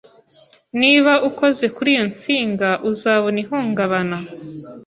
Niba ukoze kuri iyo nsinga, uzabona ihungabana.